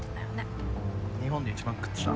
うん日本で一番食ってた。